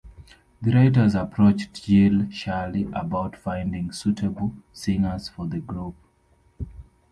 The writers approached Jill Shirley about finding suitable singers for the group.